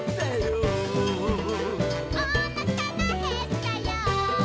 「おなかがへったよ」